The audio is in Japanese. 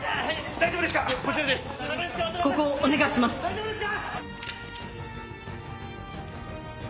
大丈夫ですか？